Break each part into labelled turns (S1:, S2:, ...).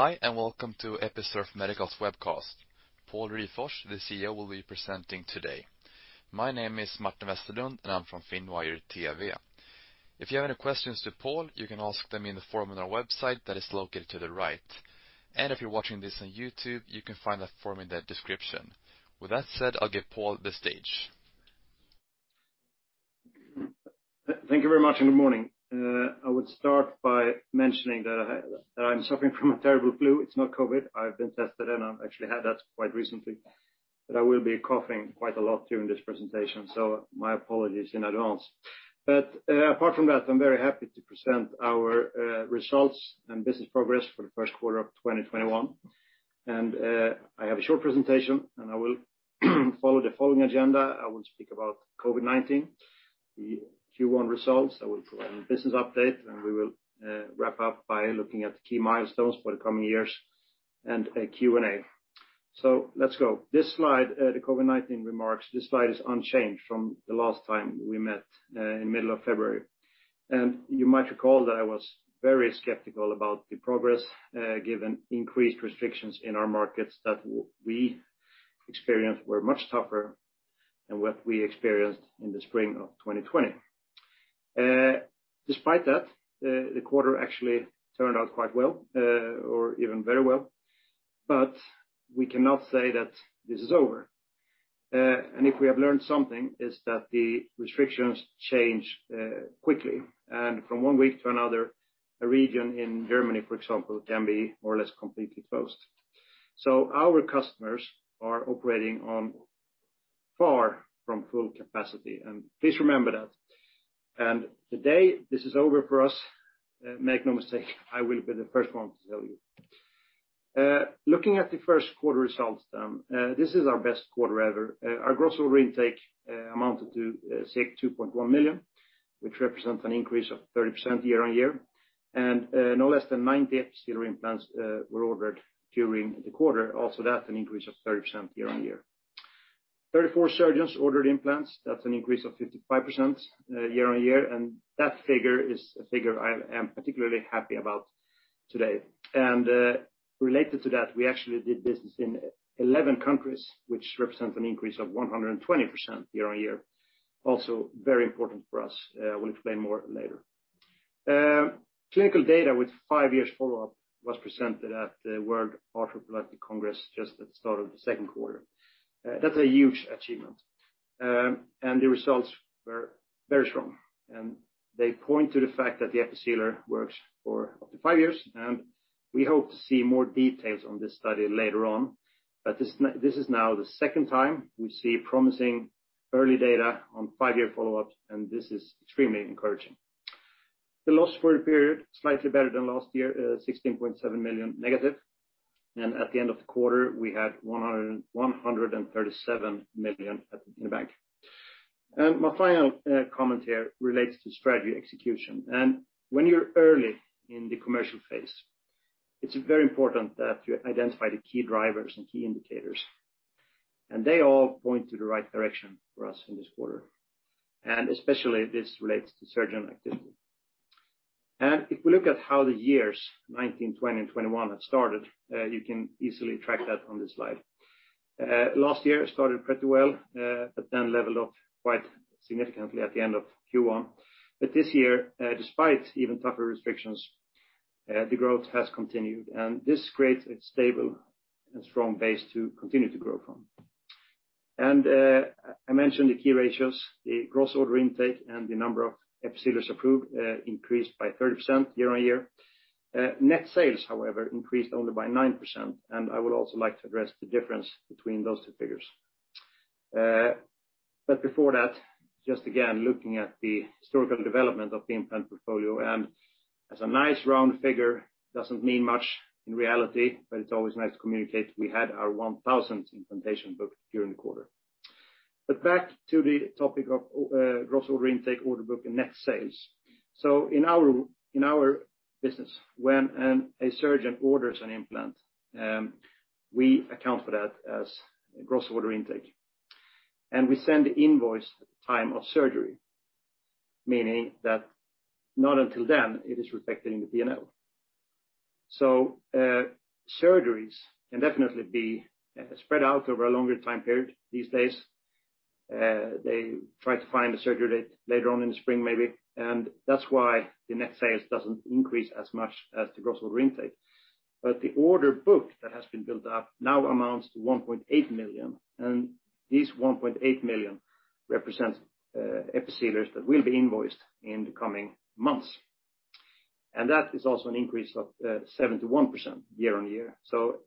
S1: Hi, welcome to Episurf Medical's webcast. Pål Ryfors, the CEO, will be presenting today. My name is Martin Westerlund, and I'm from Finwire TV. If you have any questions to Pål, you can ask them in the form on our website that is located to the right. If you're watching this on YouTube, you can find that form in the description. I'll give Pål the stage.
S2: Thank you very much. Good morning. I would start by mentioning that I'm suffering from a terrible flu. It's not COVID. I've been tested, and I've actually had that quite recently, but I will be coughing quite a lot during this presentation, so my apologies in advance. Apart from that, I'm very happy to present our results and business progress for the first quarter of 2021. I have a short presentation, and I will follow the following agenda. I will speak about COVID-19, the Q1 results. I will provide a business update, and we will wrap up by looking at the key milestones for the coming years and a Q&A. Let's go. This slide, the COVID-19 remarks, this slide is unchanged from the last time we met in middle of February. You might recall that I was very skeptical about the progress given increased restrictions in our markets that we experienced were much tougher than what we experienced in the spring of 2020. Despite that, the quarter actually turned out quite well or even very well. We cannot say that this is over. If we have learned something is that the restrictions change quickly and from one week to another, a region in Germany, for example, can be more or less completely closed. Our customers are operating on far from full capacity. Please remember that. The day this is over for us, make no mistake, I will be the first one to tell you. Looking at the first quarter results, this is our best quarter ever. Our gross order intake amounted to 2.1 million, which represents an increase of 30% year-on-year. No less than 90 EPISEALER implants were ordered during the quarter. That's an increase of 30% year-on-year. 34 surgeons ordered implants. That's an increase of 55% year-on-year. That figure is a figure I am particularly happy about today. Related to that, we actually did business in 11 countries, which represents an increase of 120% year-on-year. Very important for us. I will explain more later. Clinical data with five years follow-up was presented at the World Arthroplasty Congress just at the start of the second quarter. That's a huge achievement. The results were very strong, and they point to the fact that the EPISEALER works for up to five years, and we hope to see more details on this study later on. This is now the second time we see promising early data on five-year follow-ups, and this is extremely encouraging. The loss for the period, slightly better than last year, 16.7 million negative. At the end of the quarter, we had 137 million in the bank. My final comment here relates to strategy execution. When you're early in the commercial phase, it's very important that you identify the key drivers and key indicators, and they all point to the right direction for us in this quarter, and especially this relates to surgeon activity. If we look at how the years 2019, 2020, and 2021 have started, you can easily track that on this slide. Last year started pretty well, but then leveled off quite significantly at the end of Q1. This year, despite even tougher restrictions, the growth has continued, and this creates a stable and strong base to continue to grow from. I mentioned the key ratios, the gross order intake, and the number of EPISEALERs approved increased by 30% year-on-year. Net sales, however, increased only by 9%. I would also like to address the difference between those two figures. Before that, just again, looking at the historical development of the implant portfolio, and as a nice round figure, doesn't mean much in reality, but it's always nice to communicate, we had our 1,000th implantation booked during the quarter. Back to the topic of gross order intake, order book, and net sales. In our business, when a surgeon orders an implant, we account for that as gross order intake, and we send the invoice at the time of surgery, meaning that not until then, it is reflected in the P&L. Surgeries can definitely be spread out over a longer time period these days. They try to find a surgery date later on in the spring maybe, and that's why the net sales doesn't increase as much as the gross order intake. The order book that has been built up now amounts to 1.8 million, and this 1.8 million represents EPISEALERS that will be invoiced in the coming months. That is also an increase of 71% year-on-year.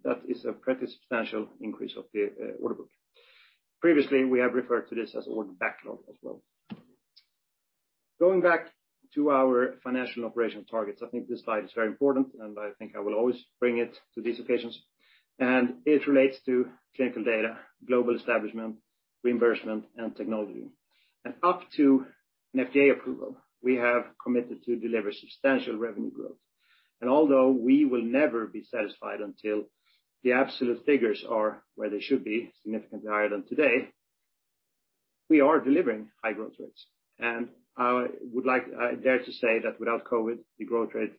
S2: That is a pretty substantial increase of the order book. Previously, we have referred to this as order backlog as well. Going back to our financial and operational targets, I think this slide is very important, and I think I will always bring it to these occasions, and it relates to clinical data, global establishment, reimbursement, and technology. Up to an FDA approval, we have committed to deliver substantial revenue growth. Although we will never be satisfied until the absolute figures are where they should be, significantly higher than today. We are delivering high growth rates, and I would dare to say that without COVID, the growth rate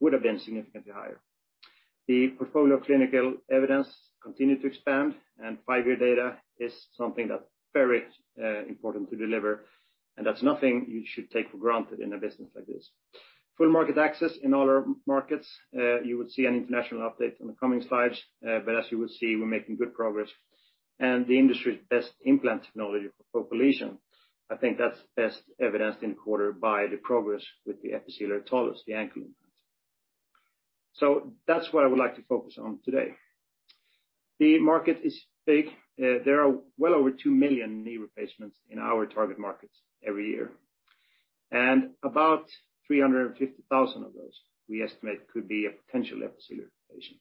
S2: would have been significantly higher. The portfolio of clinical evidence continued to expand, and five-year data is something that's very important to deliver, and that's nothing you should take for granted in a business like this. Full market access in all our markets, you will see an international update on the coming slides, but as you will see, we're making good progress and the industry's best implant technology for population. I think that's best evidenced in quarter by the progress with the EPISEALER Talus, the ankle implant. That's what I would like to focus on today. The market is big. There are well over 2 million knee replacements in our target markets every year. About 350,000 of those, we estimate could be potential EPISEALER patients.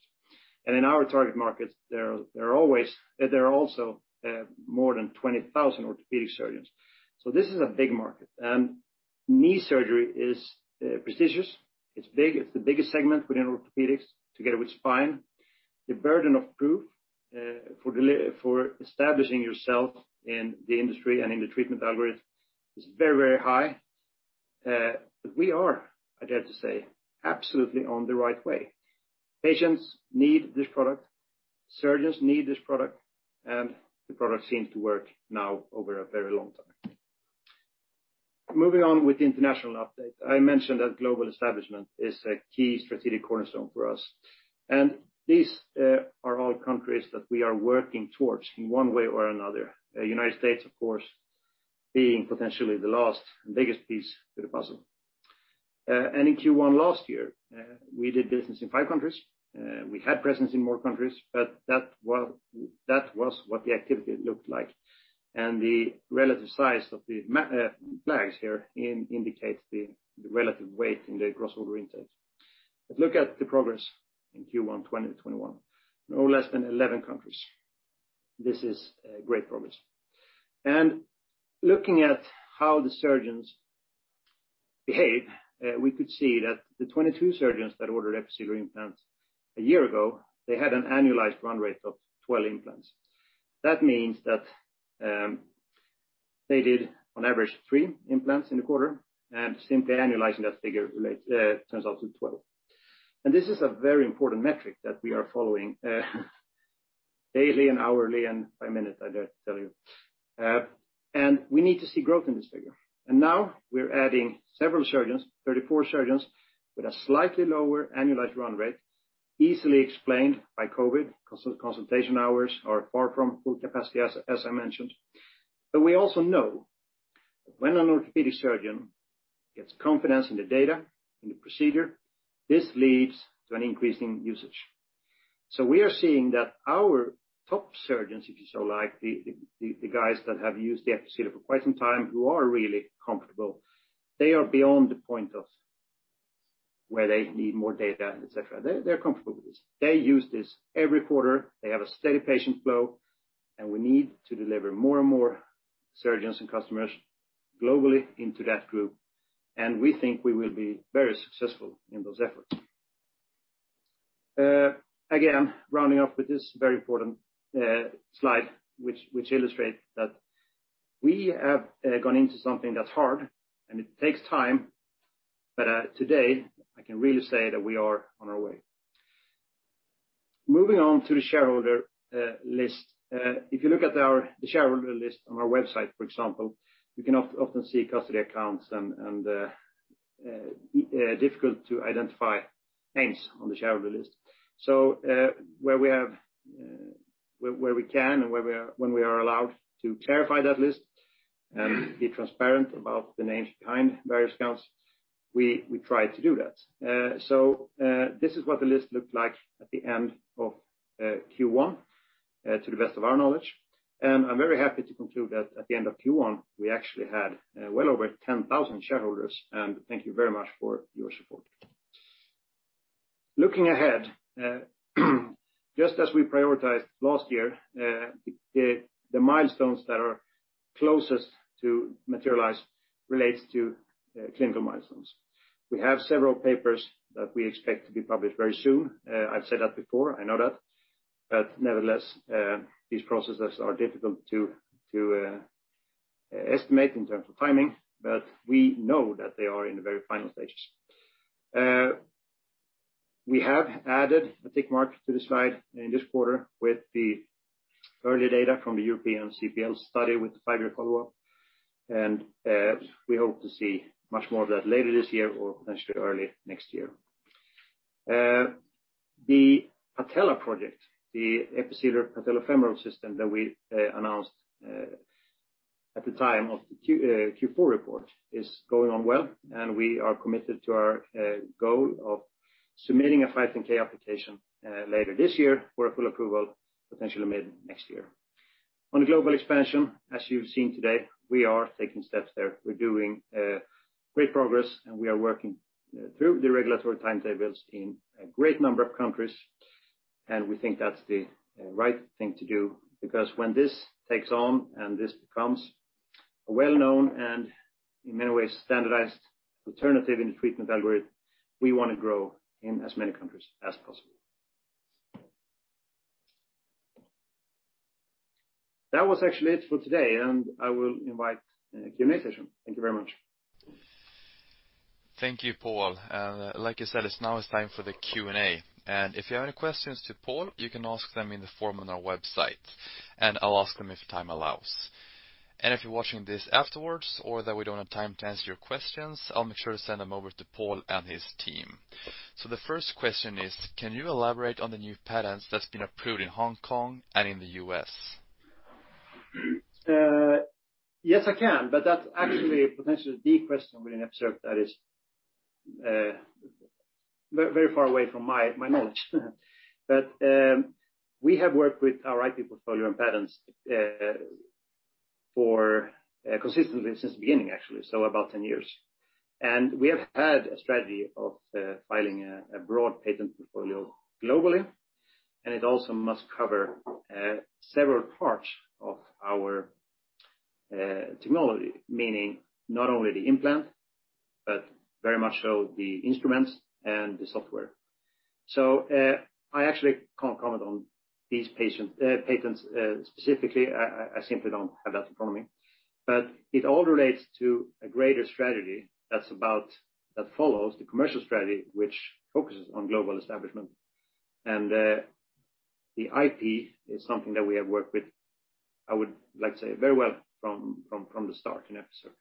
S2: In our target markets, there are also more than 20,000 orthopedic surgeons. This is a big market, and knee surgery is prestigious. It's big. It's the biggest segment within orthopedics together with spine. The burden of proof for establishing yourself in the industry and in the treatment algorithm is very high. We are, I dare to say, absolutely on the right way. Patients need this product, surgeons need this product, and the product seems to work now over a very long time. Moving on with the international update. I mentioned that global establishment is a key strategic cornerstone for us. These are all countries that we are working towards in one way or another. U.S., of course, being potentially the last and biggest piece to the puzzle. In Q1 last year, we did business in five countries. We had presence in more countries, but that was what the activity looked like. The relative size of the flags here indicates the relative weight in the gross order intake. Look at the progress in Q1 2021. No less than 11 countries. This is great progress. Looking at how the surgeons behave, we could see that the 22 surgeons that ordered EPISEALER implants a year ago, they had an annualized run rate of 12 implants. That means that they did on average three implants in the quarter, and simply annualizing that figure turns out to 12. This is a very important metric that we are following daily and hourly, and by minute, I dare tell you. We need to see growth in this figure. Now we're adding several surgeons, 34 surgeons, with a slightly lower annualized run rate, easily explained by COVID because consultation hours are far from full capacity, as I mentioned. We also know when an orthopedic surgeon gets confidence in the data, in the procedure, this leads to an increase in usage. We are seeing that our top surgeons, if you so like, the guys that have used the EPISEALER for quite some time who are really comfortable, they are beyond the point of where they need more data, et cetera. They're comfortable with this. They use this every quarter. They have a steady patient flow, and we need to deliver more and more surgeons and customers globally into that group. We think we will be very successful in those efforts. Again, rounding off with this very important slide, which illustrates that we have gone into something that's hard and it takes time, but today I can really say that we are on our way. Moving on to the shareholder list. If you look at the shareholder list on our website, for example, you can often see custody accounts and difficult-to-identify names on the shareholder list. Where we can and when we are allowed to clarify that list and be transparent about the names behind various accounts, we try to do that. This is what the list looked like at the end of Q1 to the best of our knowledge. I'm very happy to conclude that at the end of Q1, we actually had well over 10,000 shareholders. Thank you very much for your support. Looking ahead, just as we prioritized last year, the milestones that are closest to materialize relates to clinical milestones. We have several papers that we expect to be published very soon. I've said that before. I know that. Nevertheless, these processes are difficult to estimate in terms of timing, but we know that they are in the very final stages. We have added a tick mark to the slide in this quarter with the early data from the European CPL study with the five year follow-up, and we hope to see much more of that later this year or potentially early next year. The patella project, the EPISEALER Patellofemoral System that we announced at the time of the Q4 report is going on well, and we are committed to our goal of submitting a 510(k) application later this year for a full approval potentially mid next year. On the global expansion, as you've seen today, we are taking steps there. We're doing great progress, and we are working through the regulatory timetables in a great number of countries, and we think that's the right thing to do because when this takes on and this becomes a well-known and in many ways standardized alternative in the treatment algorithm, we want to grow in as many countries as possible. That was actually it for today, and I will invite the Q&A session. Thank you very much.
S1: Thank you, Pål. Like you said, now it's time for the Q&A. If you have any questions to Pål, you can ask them in the form on our website. I'll ask them if time allows. If you're watching this afterwards or that we don't have time to answer your questions, I'll make sure to send them over to Pål and his team. The first question is: "Can you elaborate on the new patents that's been approved in Hong Kong and in the U.S.?
S2: Yes, I can, but that's actually potentially the question within Episurf that is very far away from my knowledge. We have worked with our IP portfolio on patents for consistently since the beginning actually, so about 10 years. We have had a strategy of filing a broad patent portfolio globally, and it also must cover several parts of our technology, meaning not only the implant, but very much so the instruments and the software. I actually can't comment on these patents specifically. I simply don't have that in front of me. It all relates to a greater strategy that follows the commercial strategy, which focuses on global establishment. The IP is something that we have worked with, I would like to say, very well from the start in Episurf.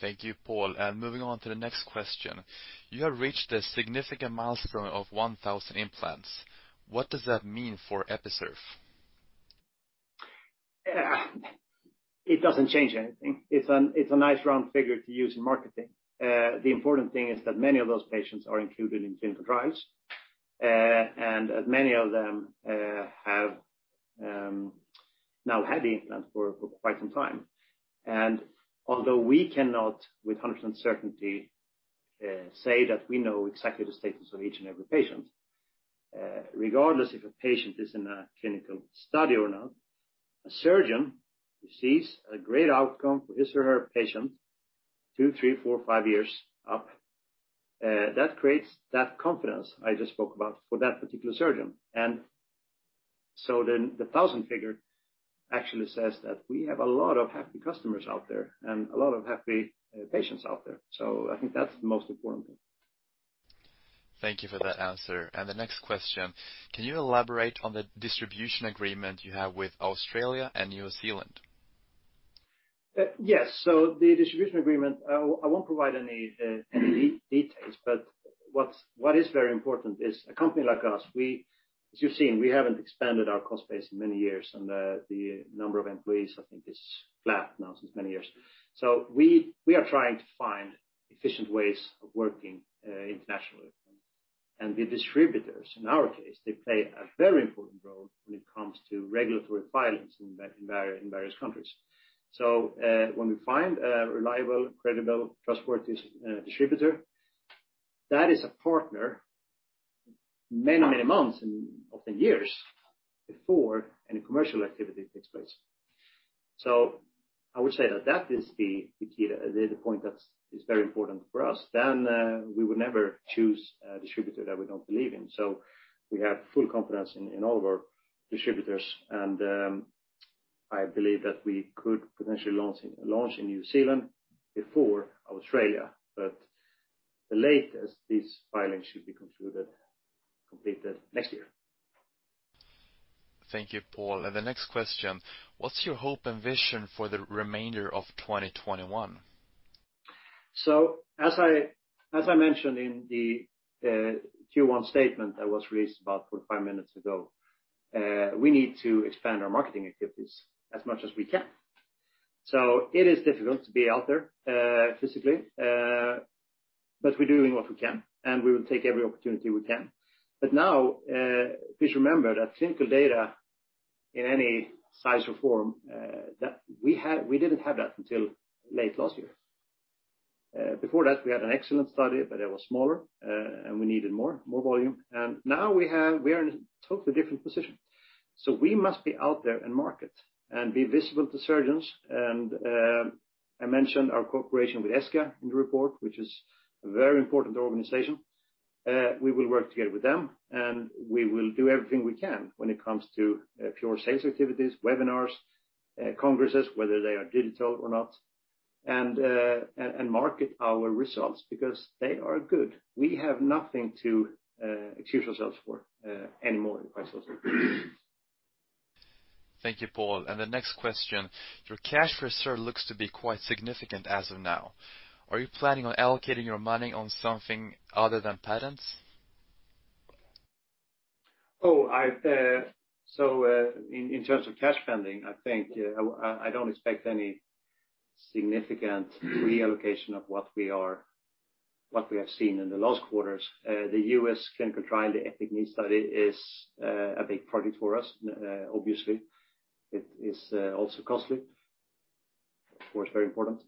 S1: Thank you, Pål. Moving on to the next question: "You have reached a significant milestone of 1,000 implants. What does that mean for Episurf?
S2: It doesn't change anything. It's a nice round figure to use in marketing. The important thing is that many of those patients are included in clinical trials, and many of them have now had the implant for quite some time. Although we cannot with 100% certainty say that we know exactly the status of each and every patient, regardless if a patient is in a clinical study or not, a surgeon who sees a great outcome for his or her patient two, three, four, five years up, that creates that confidence I just spoke about for that particular surgeon. The 1,000 figure actually says that we have a lot of happy customers out there and a lot of happy patients out there. I think that's the most important thing.
S1: Thank you for that answer. The next question: "Can you elaborate on the distribution agreement you have with Australia and New Zealand?
S2: Yes. The distribution agreement, I won't provide any details, but what is very important is a company like us, as you've seen, we haven't expanded our cost base in many years and the number of employees I think is flat now since many years. We are trying to find efficient ways of working internationally. The distributors, in our case, they play a very important role when it comes to regulatory filings in various countries. When we find a reliable, credible, trustworthy distributor, that is a partner many, many months and often years before any commercial activity takes place. I would say that is the key, the point that is very important for us. We would never choose a distributor that we don't believe in. We have full confidence in all of our distributors, and I believe that we could potentially launch in New Zealand before Australia. The latest these filings should be concluded, completed next year.
S1: Thank you, Pål. The next question: "What's your hope and vision for the remainder of 2021?
S2: As I mentioned in the Q1 statement that was released about four or five minutes ago, we need to expand our marketing activities as much as we can. It is difficult to be out there physically, but we're doing what we can, and we will take every opportunity we can. Now, please remember that clinical data in any size or form, we didn't have that until late last year. Before that, we had an excellent study, but it was smaller, and we needed more volume. Now we are in a totally different position. We must be out there and market and be visible to surgeons and I mentioned our cooperation with ESSKA in the report, which is a very important organization. We will work together with them, and we will do everything we can when it comes to pure sales activities, webinars, congresses, whether they are digital or not, and market our results because they are good. We have nothing to excuse ourselves for anymore in quite some time.
S1: Thank you, Pål. The next question: "Your cash reserve looks to be quite significant as of now. Are you planning on allocating your money on something other than patents?
S2: Oh, in terms of cash funding, I don't expect any significant reallocation of what we have seen in the last quarters. The U.S. clinical trial, the EPIC-Knee Study is a big project for us obviously. It is also costly, of course, very important.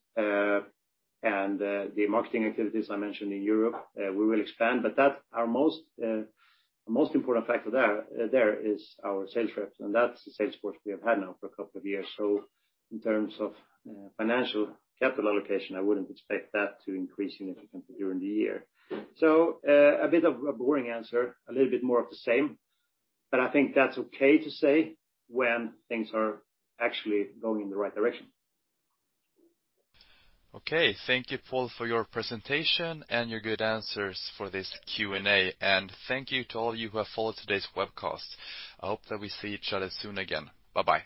S2: The marketing activities I mentioned in Europe, we will expand. The most important factor there is our sales reps, and that's the sales force we have had now for a couple of years. In terms of financial capital allocation, I wouldn't expect that to increase significantly during the year. A bit of a boring answer, a little bit more of the same, but I think that's okay to say when things are actually going in the right direction.
S1: Okay. Thank you, Pål, for your presentation and your good answers for this Q&A. Thank you to all you who have followed today's webcast. I hope that we see each other soon again. Bye-bye.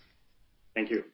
S2: Thank you.